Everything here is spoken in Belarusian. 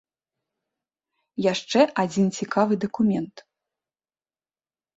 Яшчэ адзін цікавы дакумент.